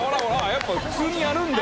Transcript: やっぱ普通にやるんだ。